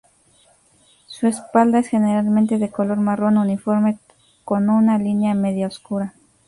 Su espalda es generalmente de color marrón uniforme con una línea media oscura.